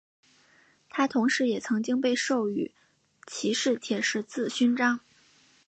他同时也曾经被授予骑士铁十字勋章。